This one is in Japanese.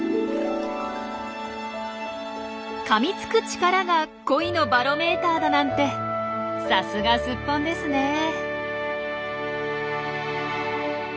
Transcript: かみつく力が恋のバロメーターだなんてさすがスッポンですねえ。